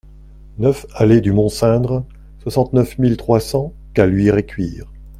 neuf allée du Mont Cindre, soixante-neuf mille trois cents Caluire-et-Cuire